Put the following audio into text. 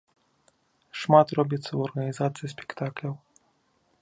Шмат робіцца ў арганізацыі спектакляў.